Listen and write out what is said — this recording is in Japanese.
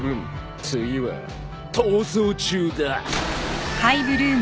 次は逃走中だ！